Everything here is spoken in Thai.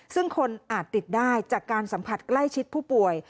ซึ่งคนอาจติดได้จากการสัมผัสใกล้ชิดผู้ป่วย